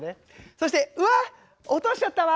そして「うわ落としちゃったわ」。